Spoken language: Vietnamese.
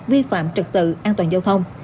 vi phạm trật tự an toàn giao thông